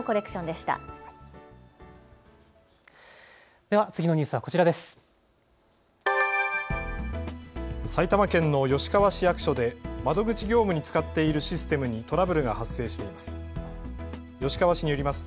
では次のニュースはこちらです。